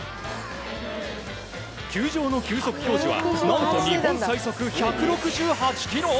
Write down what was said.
球場の急速表示は何と、日本最速１６８キロ？